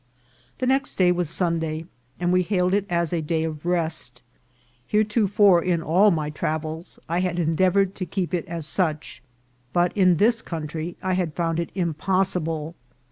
The next day was Sunday, and we hailed it as a day of rest. Heretofore, in all my travels, I had endeav oured to keep it as such, but in this country I had found it impossible.